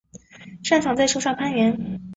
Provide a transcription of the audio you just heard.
擅长在树上攀援。